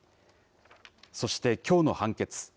そして、きょうの判決。